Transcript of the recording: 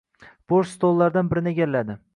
Bo‘sh stollardan birini egalladi.